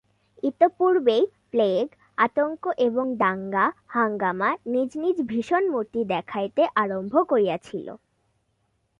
ইতঃপূর্বেই plague, আতঙ্ক এবং দাঙ্গা-হাঙ্গামা নিজ নিজ ভীষণ মূর্তি দেখাইতে আরম্ভ করিয়াছিল।